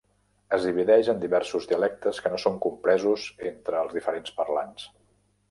Es divideix en diversos dialectes que no són compresos entre els diferents parlants.